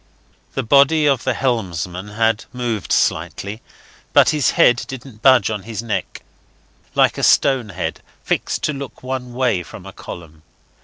The body of the helmsman had moved slightly, but his head didn't budge on his neck, like a stone head fixed to look one way from a column.